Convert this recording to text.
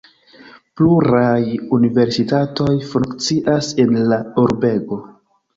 Pluraj universitatoj funkcias en la urbego.